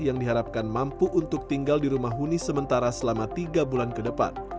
yang diharapkan mampu untuk tinggal di rumah huni sementara selama tiga bulan ke depan